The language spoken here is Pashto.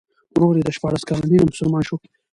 ورور یې د شپاړس کلنۍ نه مسلمان شو.